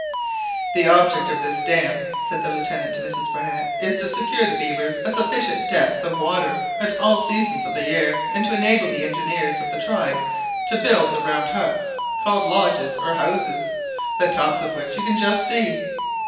"The object of this dam," said the Lieutenant to Mrs Barnett, "is to secure to the beavers a sufficient depth of water at all seasons of the year, and to enable the engineers of the tribe to build the round huts called houses or lodges, the tops of which you can just see.